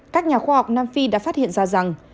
các nhà khoa học nam phi đã phát hiện ra rằng